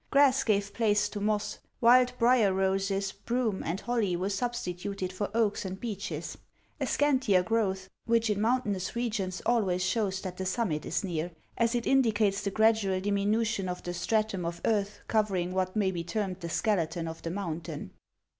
Grass gave place to moss ; wild brier roses, broom, and holly were substituted for oaks and beeches, — a scantier growth, which in moun tainous regions always shows that the summit is near, as it indicates the gradual diminution of the stratum of earth covering what may be termed the skeleton of the mountain.